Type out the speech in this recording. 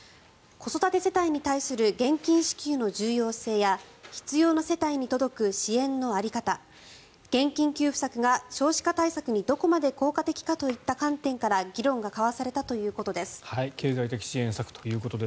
子育て世帯に対する現金支給の重要性や必要な世帯に届く支援の在り方現金給付策が少子化対策にどこまで効果的かという観点から議論が交わされたということです。